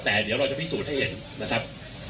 แต่เดี๋ยวเราจะพิสูจน์ให้เห็นนะครับ